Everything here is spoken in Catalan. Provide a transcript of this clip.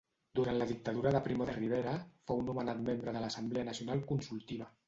Durant la dictadura de Primo de Rivera fou nomenat membre de l'Assemblea Nacional Consultiva.